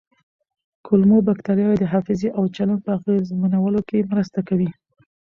کولمو بکتریاوې د حافظې او چلند په اغېزمنولو کې مرسته کوي.